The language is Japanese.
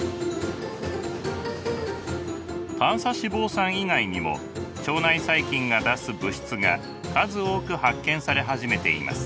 短鎖脂肪酸以外にも腸内細菌が出す物質が数多く発見され始めています。